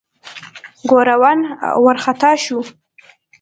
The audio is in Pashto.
ګوروان وارخطا شو.